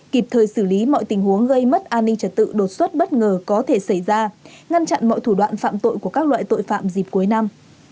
kịp thời xử lý mọi tình huống gây mất an ninh trật tự đột xuất bất ngờ có thể xảy ra ngăn chặn mọi thủ đoạn phạm tội của các loại tội phạm dịp cuối năm